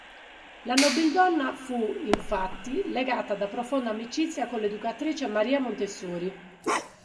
La nobildonna fu, infatti, legata da profonda amicizia con l'educatrice Maria Montessori.